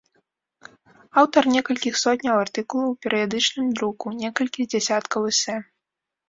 Аўтар некалькіх сотняў артыкулаў у перыядычным друку, некалькіх дзесяткаў эсэ.